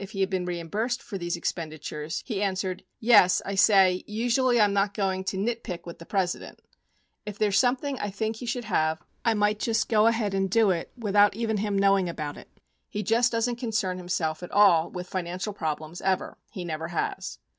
1052 he had been reimbursed for these expenditures, he answered, "Yes, I say, usually I'm not going to nitpick with the President, If there's something I think he should have, I might just go ahead and do it without even him knowing about it. He just doesn't concern himself at all with financial problems ever ; he never has."